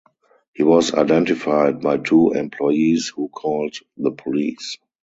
He was identified by two employees who called the police.